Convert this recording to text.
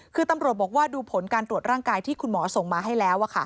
คือตำรวจบอกว่าดูผลการตรวจร่างกายที่คุณหมอส่งมาให้แล้ว